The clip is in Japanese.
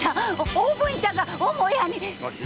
おぶんちゃんが母屋に！